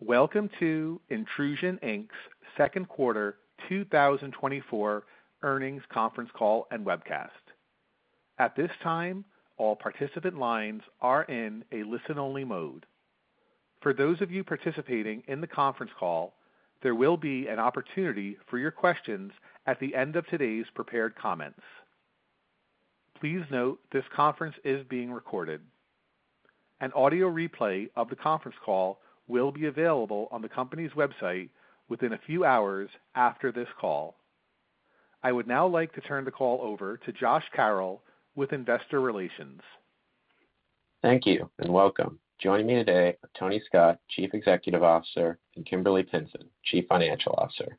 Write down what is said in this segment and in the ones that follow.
Welcome to Intrusion Inc.'s second quarter 2024 earnings conference call and webcast. At this time, all participant lines are in a listen-only mode. For those of you participating in the conference call, there will be an opportunity for your questions at the end of today's prepared comments. Please note, this conference is being recorded. An audio replay of the conference call will be available on the company's website within a few hours after this call. I would now like to turn the call over to Josh Carroll with Investor Relations. Thank you, and welcome. Joining me today are Tony Scott, Chief Executive Officer, and Kimberly Pinson, Chief Financial Officer.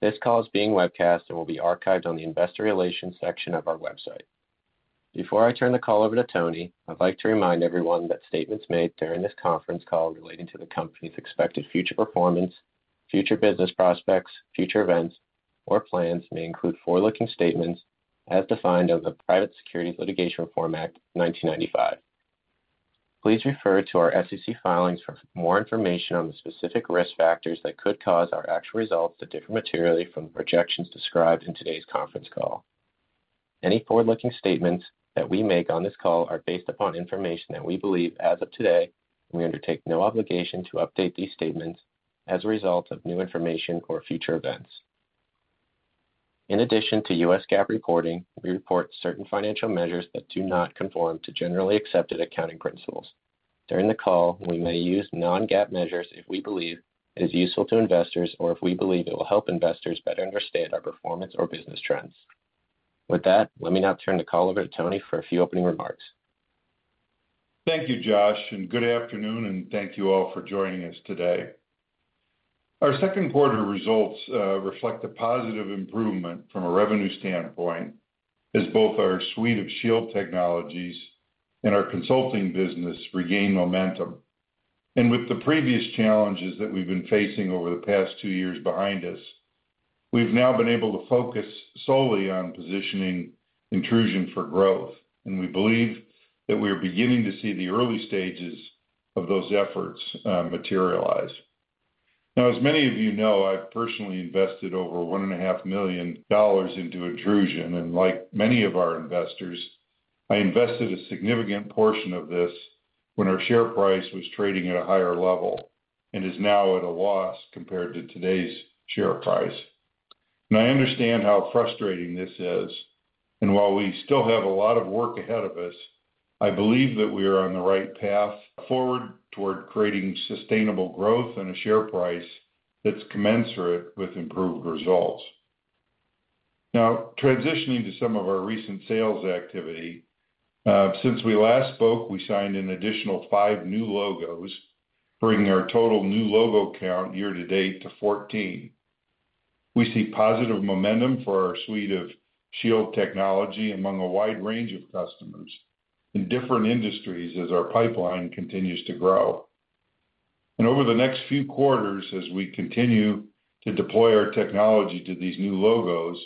This call is being webcast and will be archived on the Investor Relations section of our website. Before I turn the call over to Tony, I'd like to remind everyone that statements made during this conference call relating to the company's expected future performance, future business prospects, future events, or plans may include forward-looking statements as defined in the Private Securities Litigation Reform Act of 1995. Please refer to our SEC filings for more information on the specific risk factors that could cause our actual results to differ materially from the projections described in today's conference call. Any forward-looking statements that we make on this call are based upon information that we believe as of today, and we undertake no obligation to update these statements as a result of new information or future events. In addition to U.S. GAAP reporting, we report certain financial measures that do not conform to generally accepted accounting principles. During the call, we may use non-GAAP measures if we believe it is useful to investors or if we believe it will help investors better understand our performance or business trends. With that, let me now turn the call over to Tony for a few opening remarks. Thank you, Josh, and good afternoon, and thank you all for joining us today. Our second quarter results reflect a positive improvement from a revenue standpoint as both our suite of Shield technologies and our consulting business regain momentum. With the previous challenges that we've been facing over the past two years behind us, we've now been able to focus solely on positioning Intrusion for growth, and we believe that we are beginning to see the early stages of those efforts materialize. Now, as many of you know, I've personally invested over $1.5 million into Intrusion, and like many of our investors, I invested a significant portion of this when our share price was trading at a higher level and is now at a loss compared to today's share price. I understand how frustrating this is, and while we still have a lot of work ahead of us, I believe that we are on the right path forward toward creating sustainable growth and a share price that's commensurate with improved results. Now, transitioning to some of our recent sales activity. Since we last spoke, we signed an additional five new logos, bringing our total new logo count year to date to 14. We see positive momentum for our suite of Shield technology among a wide range of customers in different industries as our pipeline continues to grow. And over the next few quarters, as we continue to deploy our technology to these new logos,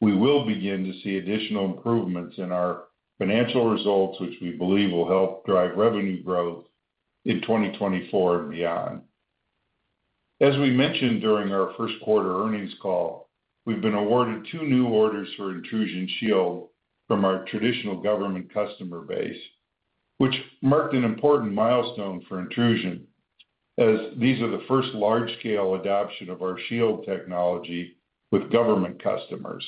we will begin to see additional improvements in our financial results, which we believe will help drive revenue growth in 2024 and beyond. As we mentioned during our first quarter earnings call, we've been awarded two new orders for Intrusion Shield from our traditional government customer base, which marked an important milestone for Intrusion, as these are the first large-scale adoption of our Shield technology with government customers.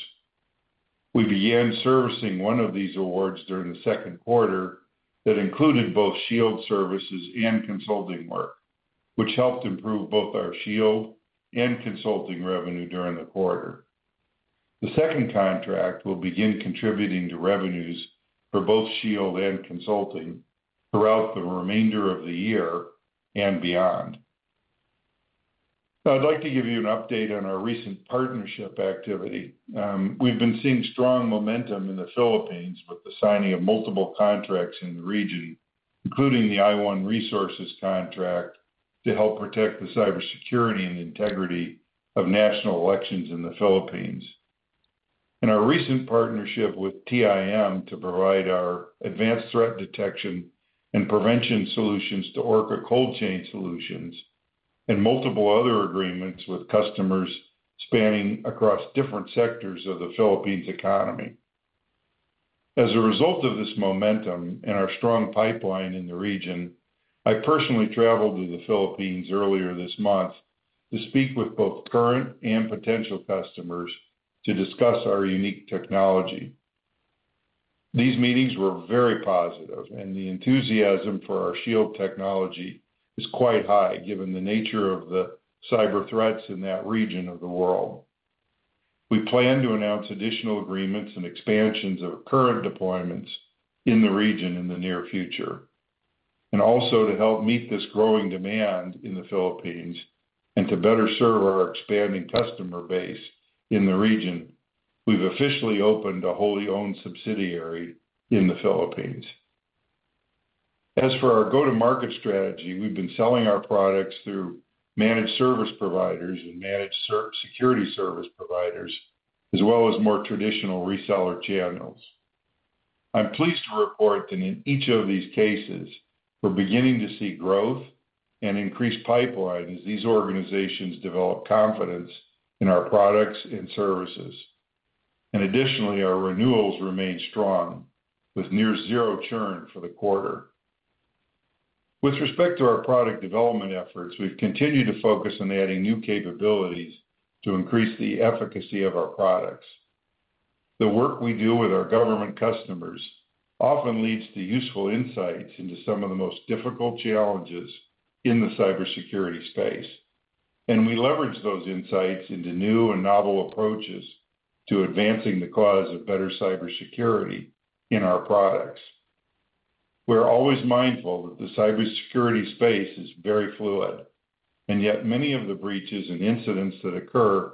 We began servicing one of these awards during the second quarter that included both Shield services and consulting work, which helped improve both our Shield and consulting revenue during the quarter. The second contract will begin contributing to revenues for both Shield and consulting throughout the remainder of the year and beyond. Now, I'd like to give you an update on our recent partnership activity. We've been seeing strong momentum in the Philippines with the signing of multiple contracts in the region, including the iOne Resources contract, to help protect the cybersecurity and integrity of national elections in the Philippines. Our recent partnership with TIM to provide our advanced threat detection and prevention solutions to ORCA Cold Chain Solutions and multiple other agreements with customers spanning across different sectors of the Philippines economy. As a result of this momentum and our strong pipeline in the region, I personally traveled to the Philippines earlier this month to speak with both current and potential customers to discuss our unique technology. These meetings were very positive, and the enthusiasm for our Shield technology is quite high, given the nature of the cyber threats in that region of the world. We plan to announce additional agreements and expansions of current deployments in the region in the near future, and also to help meet this growing demand in the Philippines and to better serve our expanding customer base in the region, we've officially opened a wholly owned subsidiary in the Philippines. As for our go-to-market strategy, we've been selling our products through managed service providers and managed security service providers, as well as more traditional reseller channels. I'm pleased to report that in each of these cases, we're beginning to see growth and increased pipeline as these organizations develop confidence in our products and services. And additionally, our renewals remain strong, with near zero churn for the quarter. With respect to our product development efforts, we've continued to focus on adding new capabilities to increase the efficacy of our products. The work we do with our government customers often leads to useful insights into some of the most difficult challenges in the cybersecurity space, and we leverage those insights into new and novel approaches to advancing the cause of better cybersecurity in our products. We're always mindful that the cybersecurity space is very fluid, and yet many of the breaches and incidents that occur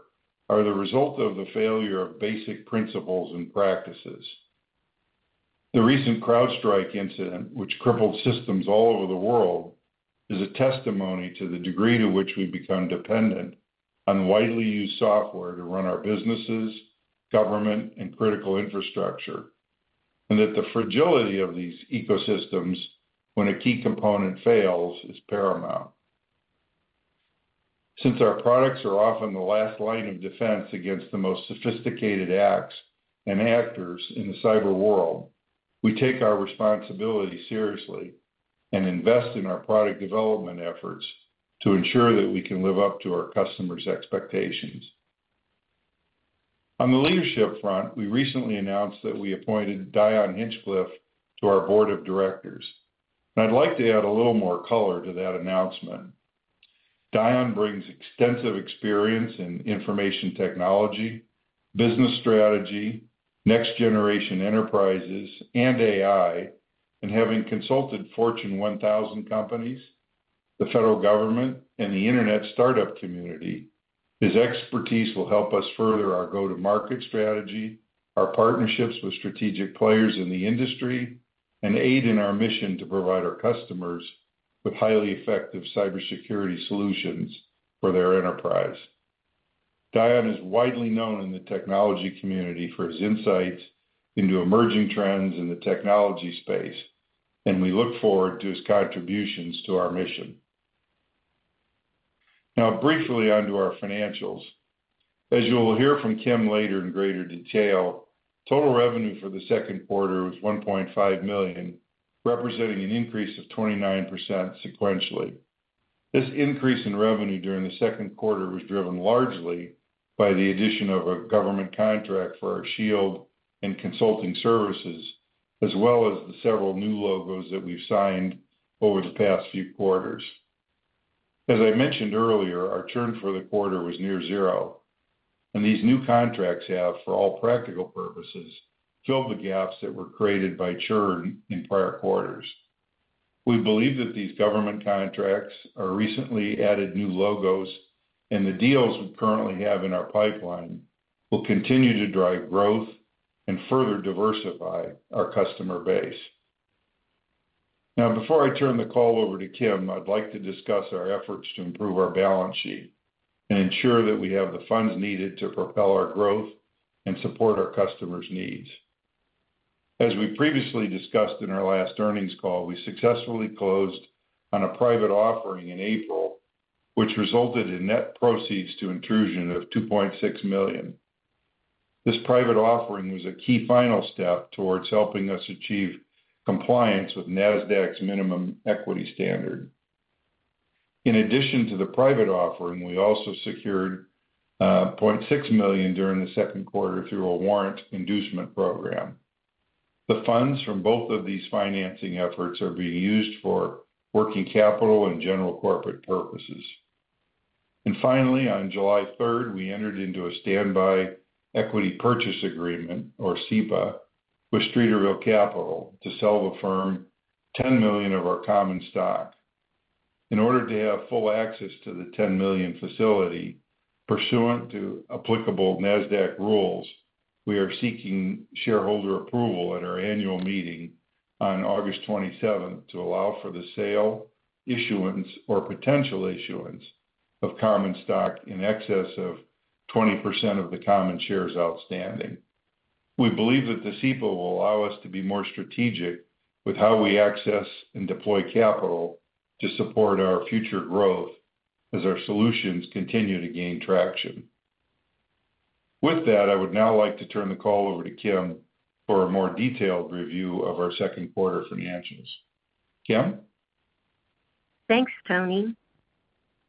are the result of the failure of basic principles and practices. The recent CrowdStrike incident, which crippled systems all over the world, is a testimony to the degree to which we've become dependent on widely used software to run our businesses, government, and critical infrastructure, and that the fragility of these ecosystems when a key component fails, is paramount. Since our products are often the last line of defense against the most sophisticated acts and actors in the cyber world, we take our responsibility seriously and invest in our product development efforts to ensure that we can live up to our customers' expectations. On the leadership front, we recently announced that we appointed Dion Hinchcliffe to our board of directors, and I'd like to add a little more color to that announcement. Dion brings extensive experience in information technology, business strategy, next-generation enterprises, and AI, and having consulted Fortune 1000 companies, the federal government, and the internet startup community, his expertise will help us further our go-to-market strategy, our partnerships with strategic players in the industry, and aid in our mission to provide our customers with highly effective cybersecurity solutions for their enterprise. Dion is widely known in the technology community for his insights into emerging trends in the technology space, and we look forward to his contributions to our mission. Now, briefly onto our financials. As you will hear from Kim later in greater detail, total revenue for the second quarter was $1.5 million, representing an increase of 29% sequentially. This increase in revenue during the second quarter was driven largely by the addition of a government contract for our Shield and consulting services, as well as the several new logos that we've signed over the past few quarters. As I mentioned earlier, our churn for the quarter was near zero, and these new contracts have, for all practical purposes, filled the gaps that were created by churn in prior quarters. We believe that these government contracts, our recently added new logos, and the deals we currently have in our pipeline, will continue to drive growth and further diversify our customer base. Now, before I turn the call over to Kim, I'd like to discuss our efforts to improve our balance sheet and ensure that we have the funds needed to propel our growth and support our customers' needs. As we previously discussed in our last earnings call, we successfully closed on a private offering in April, which resulted in net proceeds to Intrusion of $2.6 million. This private offering was a key final step towards helping us achieve compliance with Nasdaq's minimum equity standard. In addition to the private offering, we also secured $0.6 million during the second quarter through a warrant inducement program. The funds from both of these financing efforts are being used for working capital and general corporate purposes. And finally, on July 3, we entered into a standby equity purchase agreement, or SEPA, with Streeterville Capital to sell the firm 10 million of our common stock. In order to have full access to the 10 million facility, pursuant to applicable Nasdaq rules, we are seeking shareholder approval at our annual meeting on August 27 to allow for the sale, issuance, or potential issuance of common stock in excess of 20% of the common shares outstanding. We believe that the SEPA will allow us to be more strategic with how we access and deploy capital to support our future growth as our solutions continue to gain traction. With that, I would now like to turn the call over to Kim for a more detailed review of our second quarter financials. Kim? Thanks, Tony.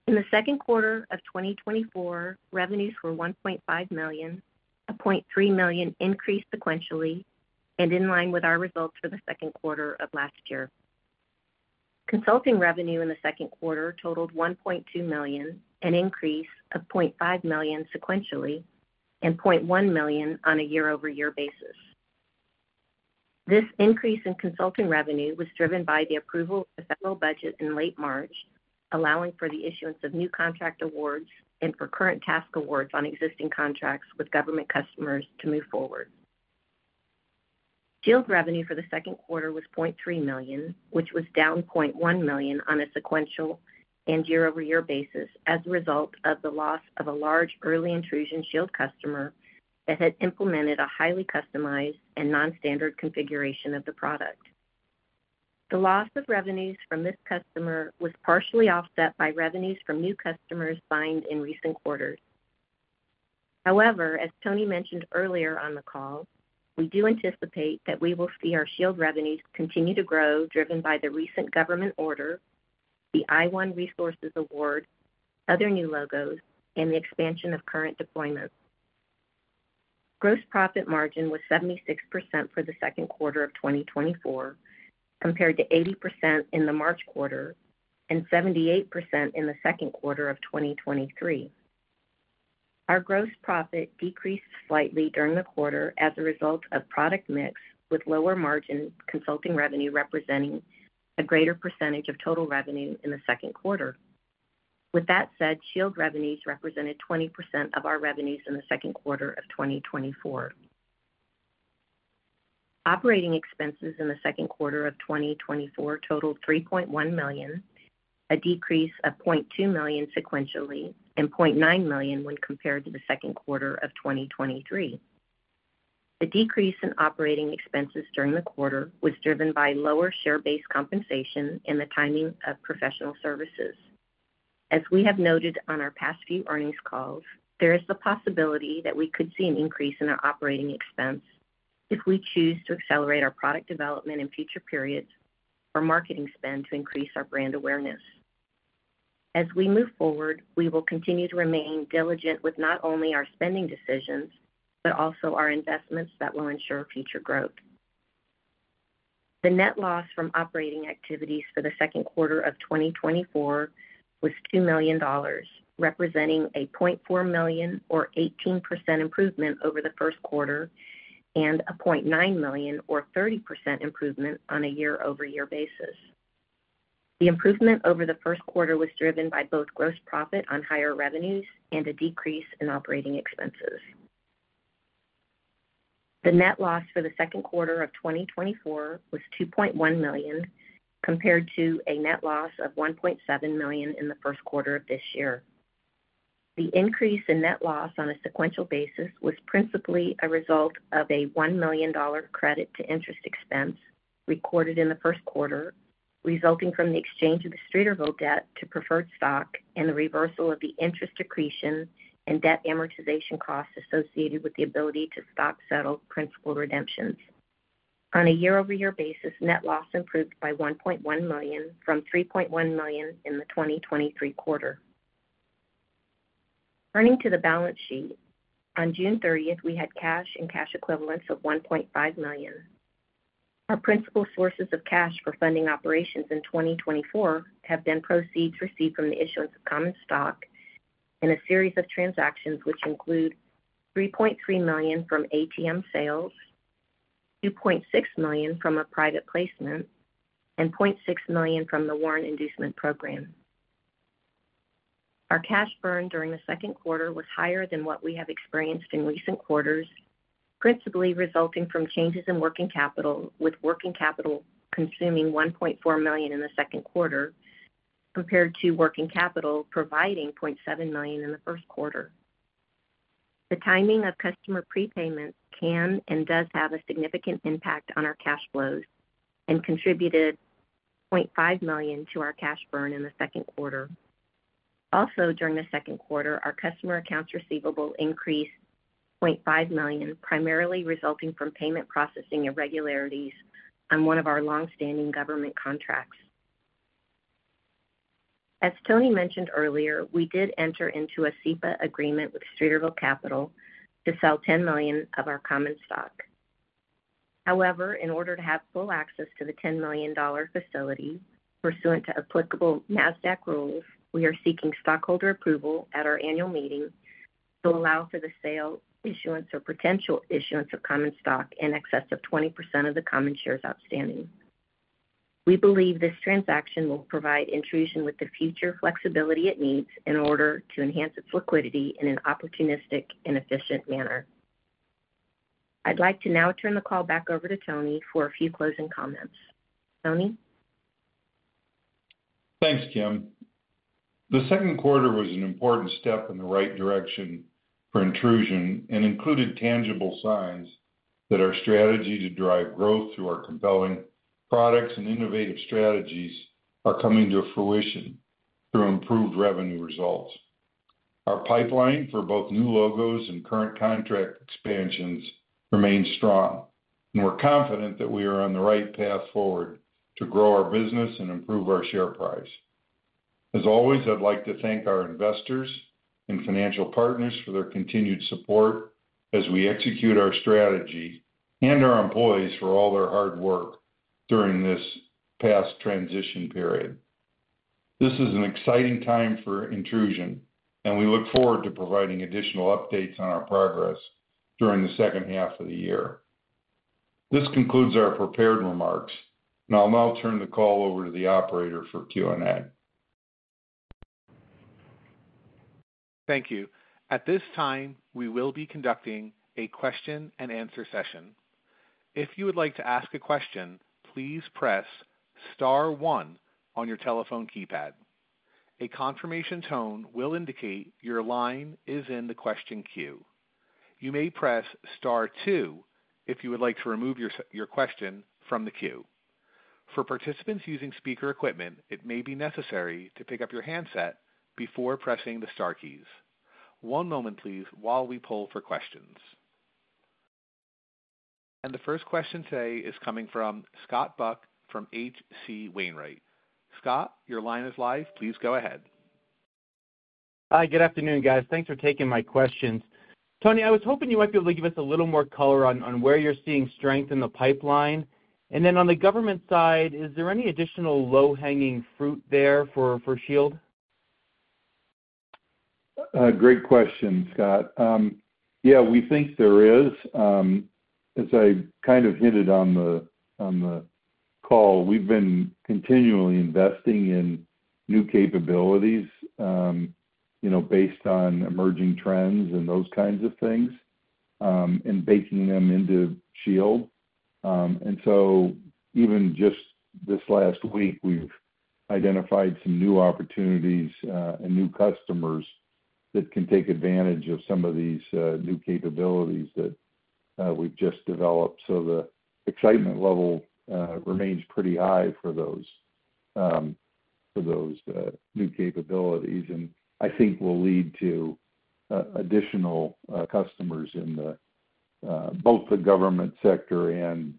In the second quarter of 2024, revenues were $1.5 million, a $0.3 million increase sequentially, and in line with our results for the second quarter of last year. Consulting revenue in the second quarter totaled $1.2 million, an increase of $0.5 million sequentially, and $0.1 million on a year-over-year basis. This increase in consulting revenue was driven by the approval of the federal budget in late March, allowing for the issuance of new contract awards and for current task awards on existing contracts with government customers to move forward. Shield revenue for the second quarter was $0.3 million, which was down $0.1 million on a sequential and year-over-year basis as a result of the loss of a large early Intrusion Shield customer that had implemented a highly customized and non-standard configuration of the product. The loss of revenues from this customer was partially offset by revenues from new customers signed in recent quarters. However, as Tony mentioned earlier on the call, we do anticipate that we will see our Shield revenues continue to grow, driven by the recent government order, the iOne Resources award, other new logos, and the expansion of current deployments. Gross profit margin was 76% for the second quarter of 2024, compared to 80% in the March quarter and 78% in the second quarter of 2023. Our gross profit decreased slightly during the quarter as a result of product mix, with lower-margin consulting revenue representing a greater percentage of total revenue in the second quarter of 2024. With that said, Shield revenues represented 20% of our revenues in the second quarter of 2024. Operating expenses in the second quarter of 2024 totaled $3.1 million, a decrease of $0.2 million sequentially and $0.9 million when compared to the second quarter of 2023. The decrease in operating expenses during the quarter was driven by lower share-based compensation and the timing of professional services. As we have noted on our past few earnings calls, there is the possibility that we could see an increase in our operating expense if we choose to accelerate our product development in future periods or marketing spend to increase our brand awareness. As we move forward, we will continue to remain diligent with not only our spending decisions, but also our investments that will ensure future growth. The net loss from operating activities for the second quarter of 2024 was $2 million, representing a $0.4 million or 18% improvement over the first quarter and a $0.9 million or 30% improvement on a year-over-year basis. The improvement over the first quarter was driven by both gross profit on higher revenues and a decrease in operating expenses. The net loss for the second quarter of 2024 was $2.1 million, compared to a net loss of $1.7 million in the first quarter of this year. The increase in net loss on a sequential basis was principally a result of a $1 million credit to interest expense recorded in the first quarter, resulting from the exchange of the Streeterville debt to preferred stock and the reversal of the interest accretion and debt amortization costs associated with the ability to stock settle principal redemptions. On a year-over-year basis, net loss improved by $1.1 million, from $3.1 million in the 2023 quarter. Turning to the balance sheet, on June thirtieth, we had cash and cash equivalents of $1.5 million. Our principal sources of cash for funding operations in 2024 have been proceeds received from the issuance of common stock in a series of transactions, which include $3.3 million from ATM sales, $2.6 million from a private placement, and $0.6 million from the warrant inducement program. Our cash burn during the second quarter was higher than what we have experienced in recent quarters, principally resulting from changes in working capital, with working capital consuming $1.4 million in the second quarter, compared to working capital providing $0.7 million in the first quarter. The timing of customer prepayments can and does have a significant impact on our cash flows and contributed $0.5 million to our cash burn in the second quarter. Also, during the second quarter, our customer accounts receivable increased $0.5 million, primarily resulting from payment processing irregularities on one of our long-standing government contracts. As Tony mentioned earlier, we did enter into a SEPA agreement with Streeterville Capital to sell 10 million of our common stock. However, in order to have full access to the $10 million facility, pursuant to applicable Nasdaq rules, we are seeking stockholder approval at our annual meeting to allow for the sale, issuance, or potential issuance of common stock in excess of 20% of the common shares outstanding. We believe this transaction will provide Intrusion with the future flexibility it needs in order to enhance its liquidity in an opportunistic and efficient manner. I'd like to now turn the call back over to Tony for a few closing comments. Tony? Thanks, Kim. The second quarter was an important step in the right direction for Intrusion and included tangible signs that our strategy to drive growth through our compelling products and innovative strategies are coming to fruition through improved revenue results. Our pipeline for both new logos and current contract expansions remains strong, and we're confident that we are on the right path forward to grow our business and improve our share price. As always, I'd like to thank our investors and financial partners for their continued support as we execute our strategy, and our employees for all their hard work during this past transition period. This is an exciting time for Intrusion, and we look forward to providing additional updates on our progress during the second half of the year. This concludes our prepared remarks, and I'll now turn the call over to the operator for Q&A. Thank you. At this time, we will be conducting a question-and-answer session. If you would like to ask a question, please press star one on your telephone keypad. A confirmation tone will indicate your line is in the question queue.... You may press star two, if you would like to remove your your question from the queue. For participants using speaker equipment, it may be necessary to pick up your handset before pressing the star keys. One moment, please, while we pull for questions. And the first question today is coming from Scott Buck from H.C. Wainwright. Scott, your line is live. Please go ahead. Hi, good afternoon, guys. Thanks for taking my questions. Tony, I was hoping you might be able to give us a little more color on where you're seeing strength in the pipeline. And then on the government side, is there any additional low-hanging fruit there for Shield? Great question, Scott. Yeah, we think there is. As I kind of hinted on the call, we've been continually investing in new capabilities, you know, based on emerging trends and those kinds of things, and baking them into Shield. And so even just this last week, we've identified some new opportunities and new customers that can take advantage of some of these new capabilities that we've just developed. So the excitement level remains pretty high for those new capabilities, and I think will lead to additional customers in both the government sector and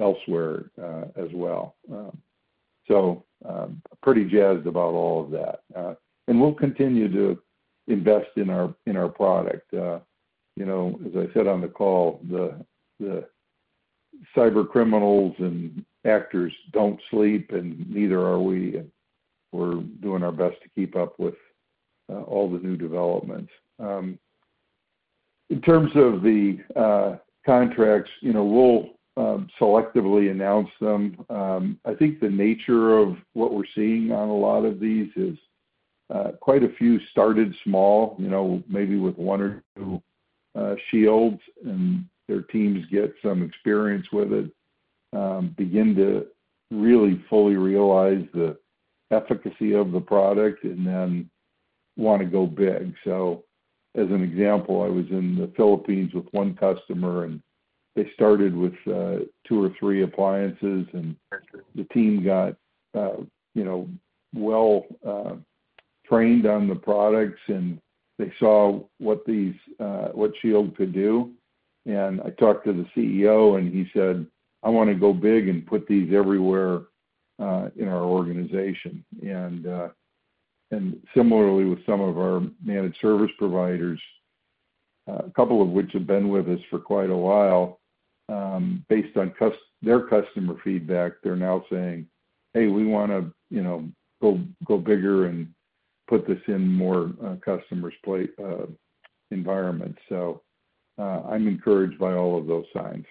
elsewhere as well. So, pretty jazzed about all of that. And we'll continue to invest in our product. You know, as I said on the call, the cybercriminals and actors don't sleep, and neither are we, and we're doing our best to keep up with all the new developments. In terms of the contracts, you know, we'll selectively announce them. I think the nature of what we're seeing on a lot of these is quite a few started small, you know, maybe with 1 or 2 Shields, and their teams get some experience with it, begin to really fully realize the efficacy of the product and then want to go big. So as an example, I was in the Philippines with one customer, and they started with 2 or 3 appliances, and the team got, you know, well trained on the products, and they saw what these what Shield could do. And I talked to the CEO, and he said, "I want to go big and put these everywhere in our organization." And similarly, with some of our managed service providers, a couple of which have been with us for quite a while, based on their customer feedback, they're now saying, "Hey, we wanna, you know, go bigger and put this in more customers' environment." So, I'm encouraged by all of those signs.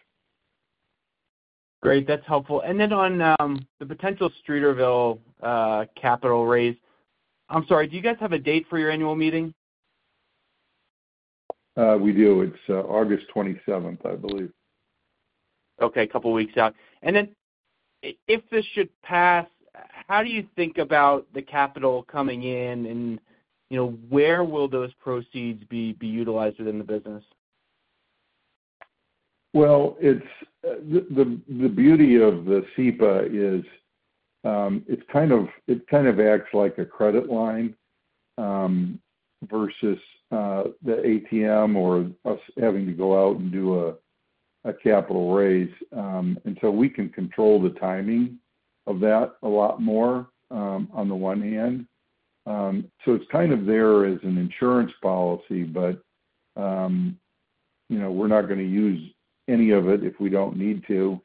Great, that's helpful. And then on the potential Streeterville capital raise... I'm sorry, do you guys have a date for your annual meeting? We do. It's August 27th, I believe. Okay, a couple weeks out. And then if this should pass, how do you think about the capital coming in, and, you know, where will those proceeds be utilized within the business? Well, it's the beauty of the SEPA is, it's kind of, it kind of acts like a credit line, versus the ATM or us having to go out and do a capital raise. And so we can control the timing of that a lot more, on the one hand. So it's kind of there as an insurance policy, but, you know, we're not gonna use any of it if we don't need to.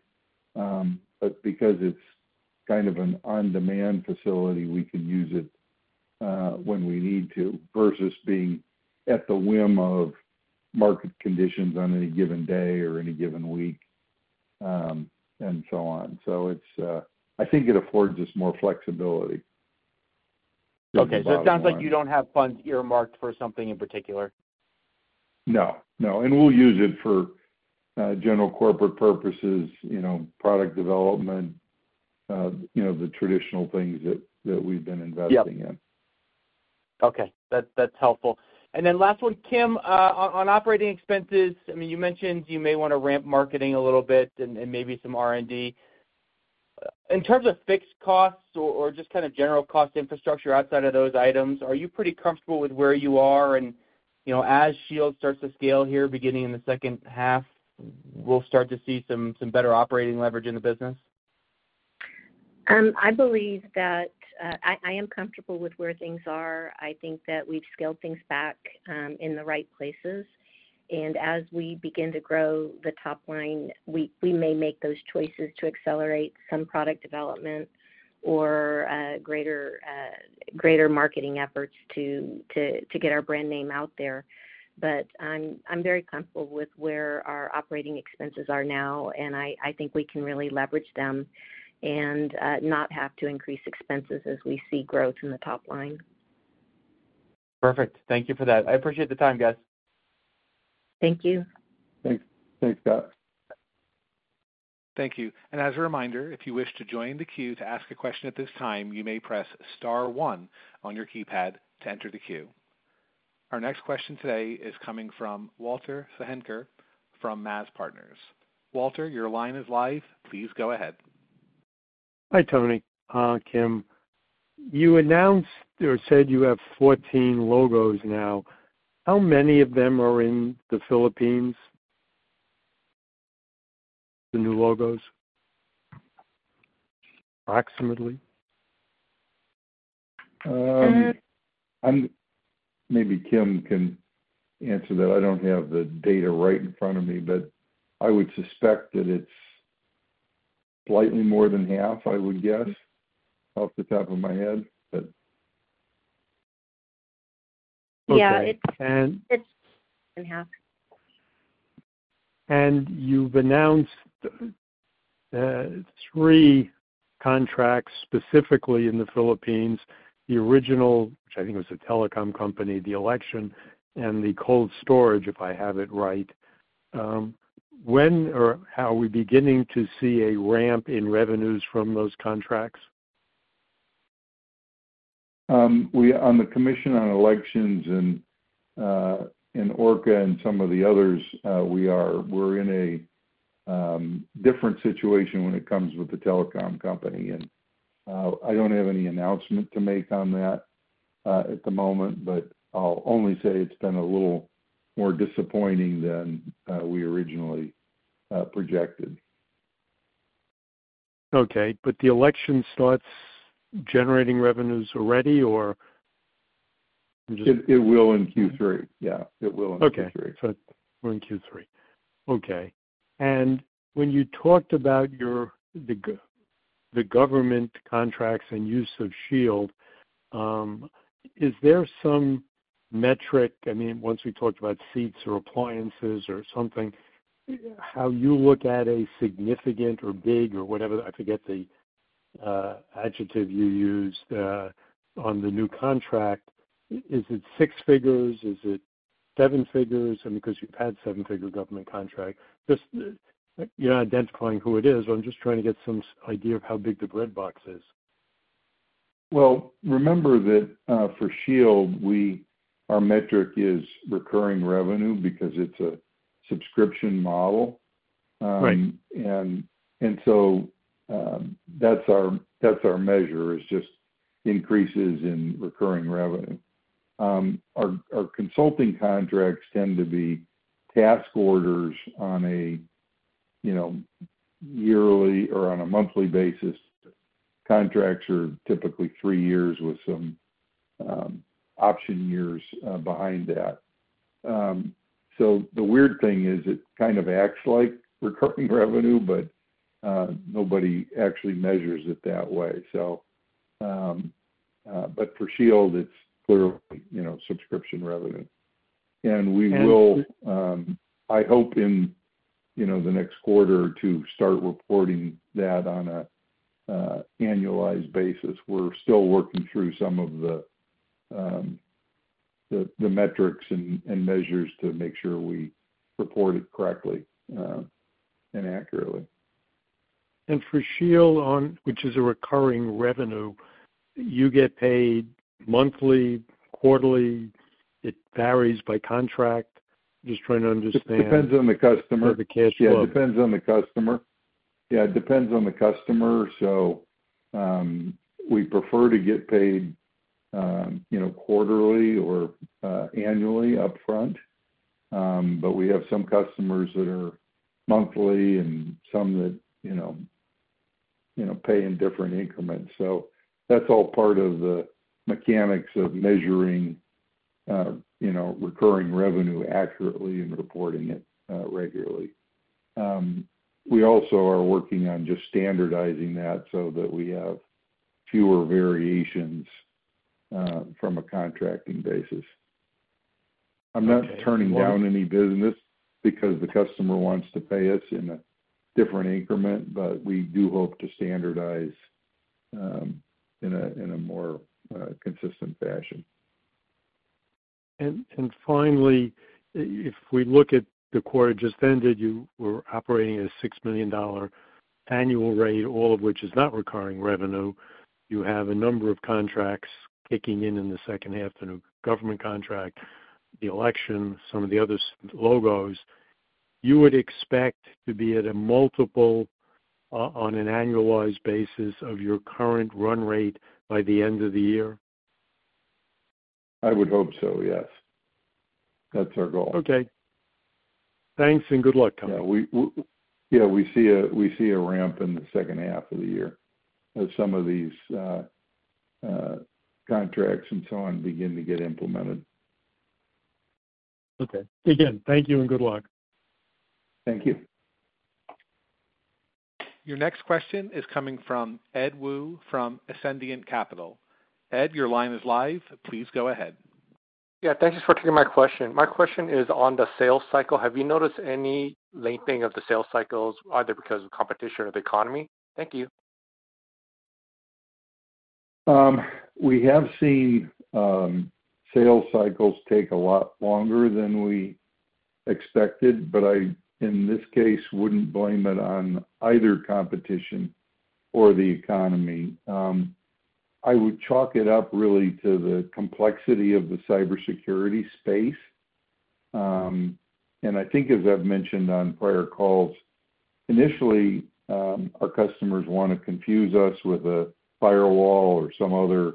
But because it's kind of an on-demand facility, we can use it, when we need to, versus being at the whim of market conditions on any given day or any given week, and so on. So it's, I think it affords us more flexibility at the bottom line. Okay, so it sounds like you don't have funds earmarked for something in particular? No, no, and we'll use it for general corporate purposes, you know, product development, you know, the traditional things that we've been investing in. Yep. Okay, that's helpful. And then last one, Kim, on operating expenses, I mean, you mentioned you may want to ramp marketing a little bit and maybe some R&D. In terms of fixed costs or just kind of general cost infrastructure outside of those items, are you pretty comfortable with where you are and, you know, as Shield starts to scale here, beginning in the second half, we'll start to see some better operating leverage in the business? I believe that I am comfortable with where things are. I think that we've scaled things back in the right places. As we begin to grow the top line, we may make those choices to accelerate some product development or greater marketing efforts to get our brand name out there. But I'm very comfortable with where our operating expenses are now, and I think we can really leverage them and not have to increase expenses as we see growth in the top line. Perfect. Thank you for that. I appreciate the time, guys. Thank you. Thanks. Thanks, Scott.... Thank you. And as a reminder, if you wish to join the queue to ask a question at this time, you may press star one on your keypad to enter the queue. Our next question today is coming from Walter Schenker from MAZ Partners. Walter, your line is live. Please go ahead. Hi, Tony, Kim. You announced or said you have 14 logos now. How many of them are in the Philippines? The new logos, approximately? Maybe Kim can answer that. I don't have the data right in front of me, but I would suspect that it's slightly more than half, I would guess, off the top of my head, but. Yeah, it's, it's in half. You've announced three contracts, specifically in the Philippines, the original, which I think was a telecom company, the election, and the cold storage, if I have it right. When or are we beginning to see a ramp in revenues from those contracts? We, on the Commission on Elections and ORCA and some of the others, we're in a different situation when it comes with the telecom company, and I don't have any announcement to make on that at the moment, but I'll only say it's been a little more disappointing than we originally projected. Okay, but the election starts generating revenues already, or? It will in Q3. Yeah, it will in Q3. Okay, so we're in Q3. Okay. And when you talked about your, the government contracts and use of Shield, is there some metric? I mean, once we talked about seats or appliances or something, how you look at a significant or big or whatever, I forget the adjective you used on the new contract. Is it six figures? Is it seven figures? I mean, because you've had seven-figure government contract. Just, you're not identifying who it is, but I'm just trying to get some idea of how big the breadbox is. Well, remember that for Shield, our metric is recurring revenue because it's a subscription model. Right. So that's our measure, is just increases in recurring revenue. Our consulting contracts tend to be task orders on a, you know, yearly or on a monthly basis. Contracts are typically three years with some option years behind that. So the weird thing is it kind of acts like recurring revenue, but nobody actually measures it that way. So but for Shield, it's clearly, you know, subscription revenue. And we will, I hope in, you know, the next quarter to start reporting that on a annualized basis. We're still working through some of the metrics and measures to make sure we report it correctly and accurately. For Shield, on which is a recurring revenue, you get paid monthly, quarterly, it varies by contract? Just trying to understand- It depends on the customer. The cash flow. Yeah, it depends on the customer. Yeah, it depends on the customer. So, we prefer to get paid, you know, quarterly or, annually upfront. But we have some customers that are monthly and some that, you know, you know, pay in different increments. So that's all part of the mechanics of measuring, you know, recurring revenue accurately and reporting it, regularly. We also are working on just standardizing that so that we have fewer variations, from a contracting basis. I'm not turning down any business because the customer wants to pay us in a different increment, but we do hope to standardize, in a, in a more, consistent fashion. And finally, if we look at the quarter just ended, you were operating at a $6 million annual rate, all of which is not recurring revenue. You have a number of contracts kicking in in the second half, the new government contract, the election, some of the other logos. You would expect to be at a multiple, on an annualized basis of your current run rate by the end of the year? I would hope so, yes. That's our goal. Okay. Thanks, and good luck, Tony. Yeah, we see a ramp in the second half of the year as some of these contracts and so on begin to get implemented. Okay. Again, thank you and good luck. Thank you. Your next question is coming from Ed Woo, from Ascendiant Capital. Ed, your line is live. Please go ahead. Yeah, thank you for taking my question. My question is on the sales cycle. Have you noticed any lengthening of the sales cycles, either because of competition or the economy? Thank you.... We have seen sales cycles take a lot longer than we expected, but in this case, I wouldn't blame it on either competition or the economy. I would chalk it up really to the complexity of the cybersecurity space. And I think, as I've mentioned on prior calls, initially, our customers wanna confuse us with a firewall or some other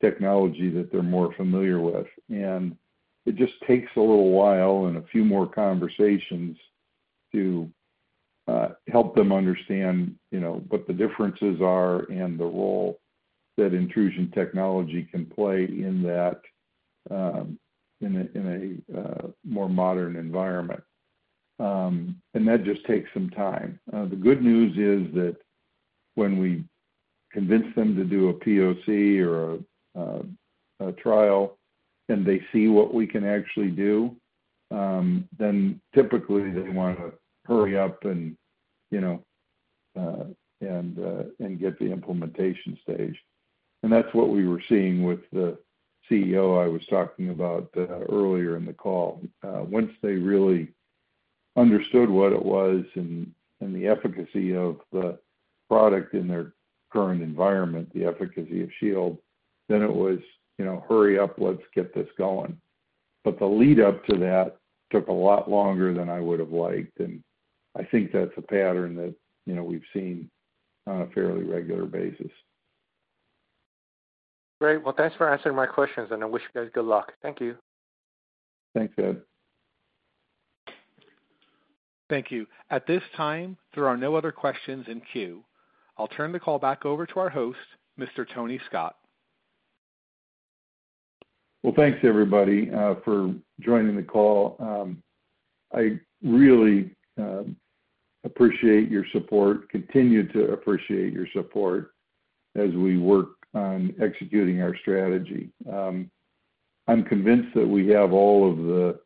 technology that they're more familiar with. And it just takes a little while and a few more conversations to help them understand, you know, what the differences are and the role that Intrusion technology can play in that, in a more modern environment. And that just takes some time. The good news is that when we convince them to do a POC or a trial, and they see what we can actually do, then typically they wanna hurry up and, you know, and, and get the implementation stage. And that's what we were seeing with the CEO I was talking about, earlier in the call. Once they really understood what it was and, and the efficacy of the product in their current environment, the efficacy of Shield, then it was, you know, hurry up, let's get this going. But the lead up to that took a lot longer than I would have liked, and I think that's a pattern that, you know, we've seen on a fairly regular basis. Great. Well, thanks for answering my questions, and I wish you guys good luck. Thank you. Thanks, Ed. Thank you. At this time, there are no other questions in queue. I'll turn the call back over to our host, Mr. Tony Scott. Well, thanks, everybody, for joining the call. I really appreciate your support, continue to appreciate your support as we work on executing our strategy. I'm convinced that we have all of the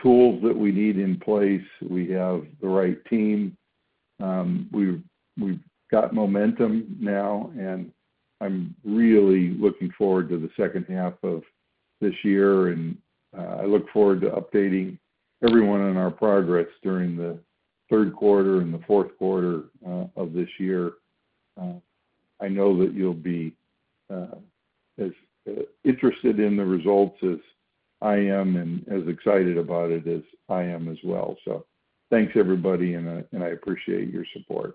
tools that we need in place. We have the right team. We've got momentum now, and I'm really looking forward to the second half of this year, and I look forward to updating everyone on our progress during the third quarter and the fourth quarter of this year. I know that you'll be as interested in the results as I am and as excited about it as I am as well. So thanks, everybody, and I appreciate your support.